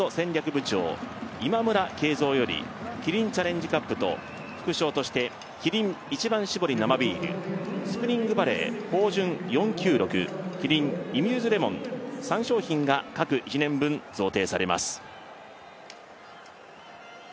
部長今村恵三よりキリンチャレンジカップと副賞としてキリン一番搾り生ビールＳＰＲＩＮＧＶＡＬＬＥＹ豊潤４９６キリンｉＭＵＳＥレモン３商品が各１年分、贈呈されます。